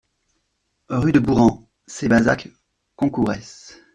Rue de Bourran, Sébazac-Concourès